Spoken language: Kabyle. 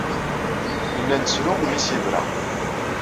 Nella nettru mi as-yebra.